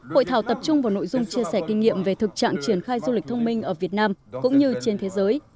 hội thảo tập trung vào nội dung chia sẻ kinh nghiệm về thực trạng triển khai du lịch thông minh ở việt nam cũng như trên thế giới